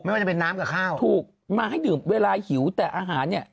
ว่าจะเป็นน้ำกับข้าวถูกมาให้ดื่มเวลาหิวแต่อาหารเนี่ย